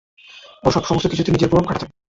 ওর সমস্ত কিছুতে নিজের প্রভাব খাটাতেন!